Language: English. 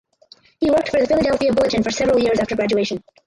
He worked for the "Philadelphia Bulletin" for several years after graduation.